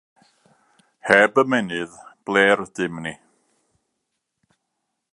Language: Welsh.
Heb ymennydd, ble rydym ni?